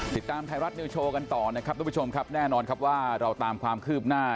ติดตามไทยรัฐเนียวโชว์กันต่อทุกผู้ชมแน่นอนว่าเราตามความคืบหน้า